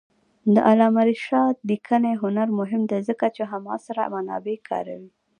د علامه رشاد لیکنی هنر مهم دی ځکه چې همعصر منابع کاروي.